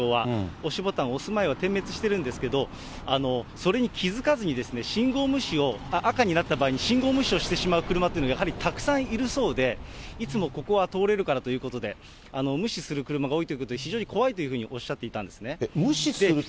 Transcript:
押しボタン押す前は点滅してるんですけど、それに気付かずに信号無視を、赤になった場合に信号無視をしてしまう車っていうの、やはりたくさんいるそうで、いつもここは通れるからということで、無視する車が多いということで、非常に怖いというふうにおっしゃっていたんですね。